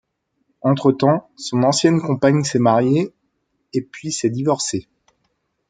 Entretemps, son ancienne compagne s’est mariée et puis s'est divorcée.